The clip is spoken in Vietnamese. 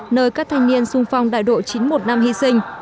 nơi các thanh niên sung phong đại độ chín mươi một năm hy sinh